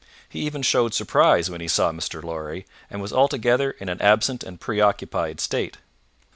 He even showed surprise when he saw Mr. Lorry, and was altogether in an absent and preoccupied state.